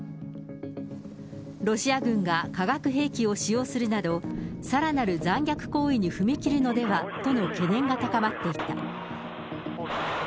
ロシア軍が化学兵器を使用するなど、さらなる残虐行為に踏み切るのではとの懸念が高まっていた。